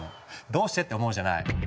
どうしてって思うじゃない？